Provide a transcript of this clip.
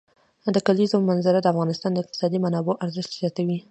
د کلیزو منظره د افغانستان د اقتصادي منابعو ارزښت زیاتوي.